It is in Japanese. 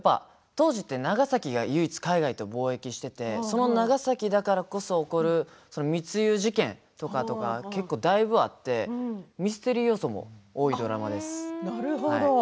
当時、長崎が唯一海外と貿易していてその長崎だからこそ起こる密輸事件とか結構だいぶあってミステリー要素も多いドラマです。